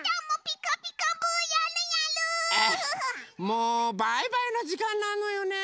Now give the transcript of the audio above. もうバイバイのじかんなのよね。